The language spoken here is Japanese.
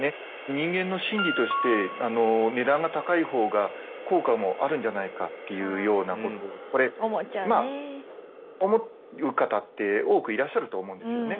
人間の心理として値段が高いほうが効果もあるんじゃないかっていうようなことこれまあ思う方って多くいらっしゃると思うんですよね。